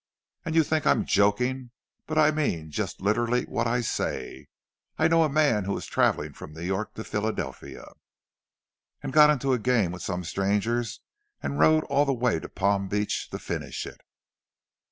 And you think I'm joking, but I mean just literally what I say. I know a man who was travelling from New York to Philadelphia, and got into a game with some strangers, and rode all the way to Palm Beach to finish it!"